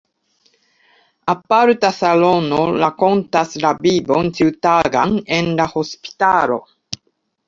Aparta salono rakontas la vivon ĉiutagan en la hospitalo.